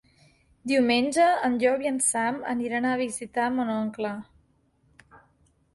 Diumenge en Llop i en Sam aniran a visitar mon oncle.